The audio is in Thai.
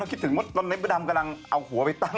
ก็คิดถึงวันนั้นมดดำกำลังเอาหัวไปตั้ง